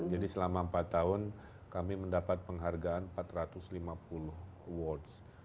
jadi selama empat tahun kami mendapat penghargaan empat ratus lima puluh awards